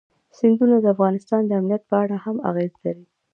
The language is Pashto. سیندونه د افغانستان د امنیت په اړه هم اغېز لري.